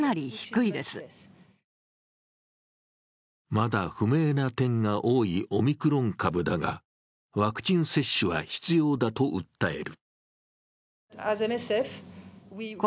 まだ不明な点が多いオミクロン株だが、ワクチン接種は必要だと訴える。